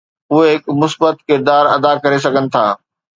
اهي هڪ مثبت ڪردار ادا ڪري سگهن ٿا.